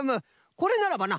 これならばな